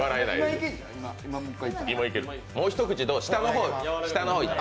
もう一口、下の方いって。